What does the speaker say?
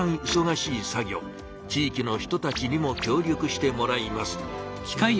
地いきの人たちにも協力してもらいます。